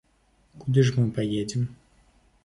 Куды ж мы паедзем?